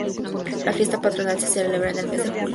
La fiesta patronal se celebra en el mes de julio.